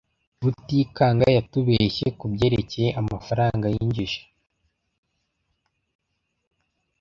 Rutikanga yatubeshye kubyerekeye amafaranga yinjije.